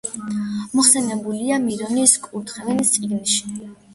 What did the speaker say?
მოხსენიებულია მირონის კურთხევის წიგნში.